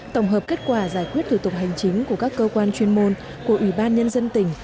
tổng hợp kết quả giải quyết thủ tục hành chính của các cơ quan chuyên môn của ủy ban nhân dân tỉnh